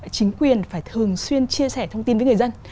chính quyền phải thường xuyên chia sẻ thông tin với người dân